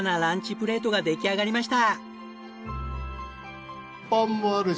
プレートが出来上がりました！